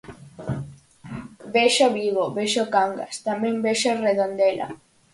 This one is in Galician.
Vexo Vigo, vexo Cangas, tamén vexo Redondela